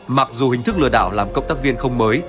mặc dù hình thức lừa đảo làm cộng tác viên không mới